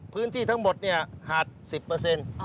พื้นที่ทั้งหมดเนี่ยหาดสิบเปอร์เซ็นต์